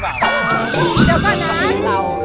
เดี๋ยวก่อนนะ